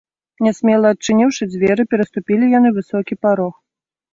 Нясмела адчыніўшы дзверы, пераступілі яны высокі парог.